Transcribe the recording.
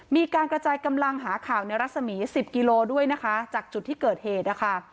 มีการกระจายกำลังหาข่าวในรัศมี๑๐กิโลด้วยนะคะจากจุดที่เกิดเหตุนะคะ